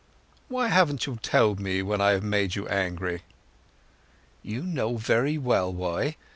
"Why haven't you told me when I have made you angry?" "You know very well why.